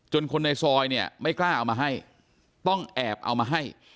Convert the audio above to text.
คนในซอยเนี่ยไม่กล้าเอามาให้ต้องแอบเอามาให้